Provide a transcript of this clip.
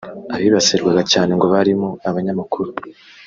Abibasirwaga cyane ngo barimo abanyamakuru